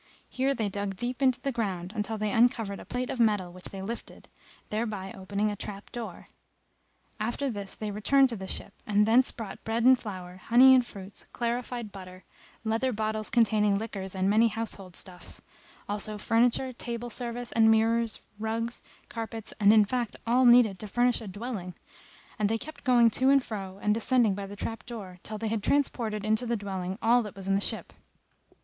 Here they dug deep into the ground, until they uncovered a plate of metal which they lifted, thereby opening a trap door. After this they returned to the ship and thence brought bread and flour, honey and fruits, clarified butter,[FN#264] leather bottles containing liquors and many household stuffs; also furniture, table service and mirrors rugs, carpets and in fact all needed to furnish a dwelling; and they kept going to and fro, and descending by the trap door, till they had transported into the dwelling all that was in the ship.